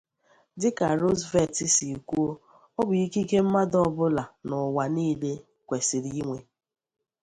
Dị ka Roosevelt si kwuo, ọ bụ ikike mmadụ ọ bụla n'ụwa niile kwesiri inwe.